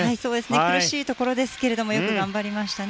苦しいところですけれどもよく頑張りましたね。